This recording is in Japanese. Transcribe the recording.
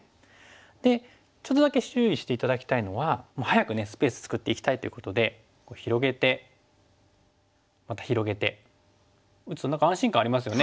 でちょっとだけ注意して頂きたいのは早くねスペース作って生きたいということでこう広げてまた広げて打つと何か安心感ありますよね。